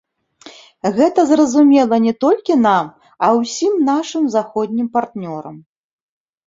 Гэта зразумела не толькі нам, а ўсім нашым заходнім партнёрам.